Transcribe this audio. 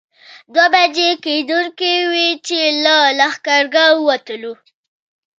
دوه بجې کېدونکې وې چې له لښکرګاه ووتلو.